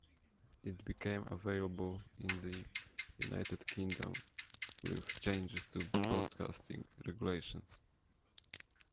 It became available in the United Kingdom with changes to broadcasting regulations.